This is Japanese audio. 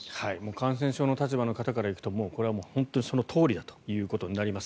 感染症の立場の方から行くとこれは本当にそのとおりだということになります。